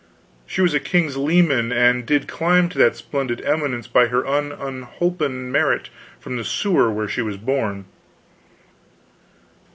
"She was a king's leman and did climb to that splendid eminence by her own unholpen merit from the sewer where she was born."